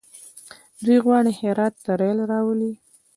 دوی غواړي هرات ته ریل راولي.